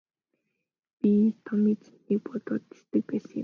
Би Том эзэнтнийг бодоод л тэсдэг байсан юм.